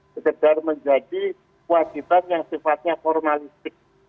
segedar menjadi wajiban yang sifatnya formalistik